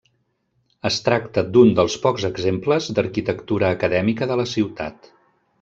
Es tracta d'un dels pocs exemples d'arquitectura acadèmica de la ciutat.